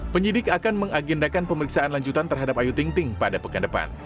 penyidik akan mengagendakan pemeriksaan lanjutan terhadap ayu tingting pada pekan depan